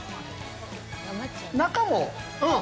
中も。